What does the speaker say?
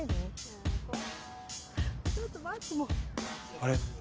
あれ？